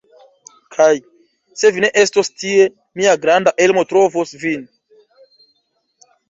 Kaj, se vi ne estos tie, mia granda Elmo trovos vin.